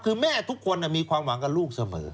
คือแม่ทุกคนมีความหวังกับลูกเสมอ